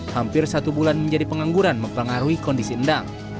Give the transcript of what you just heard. hampir satu bulan menjadi pengangguran mempengaruhi kondisi endang